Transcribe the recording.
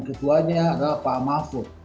ketuanya adalah pak mahfud